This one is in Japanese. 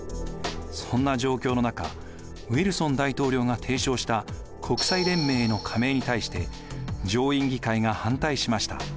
そんな状況の中ウィルソン大統領が提唱した国際連盟への加盟に対して上院議会が反対しました。